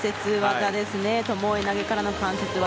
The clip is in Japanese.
ともえ投げからの関節技。